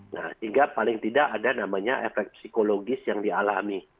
nah sehingga paling tidak ada namanya efek psikologis yang dialami